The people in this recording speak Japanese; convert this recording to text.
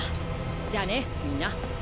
じゃあねみんな。